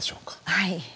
はい。